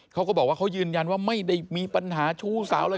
เขาก็บอกว่าเขายืนยันว่าไม่ได้มีปัญหาชู้สาวอะไร